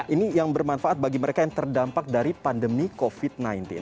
ini yang bermanfaat bagi mereka yang terdampak dari pandemi covid sembilan belas